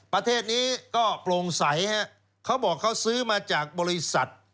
ประเทศนี้ก็โปร่งใสฮะเขาบอกเขาซื้อมาจากบริษัท